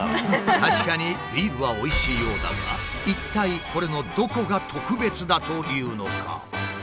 確かにビールはおいしいようだが一体これのどこが特別だというのか？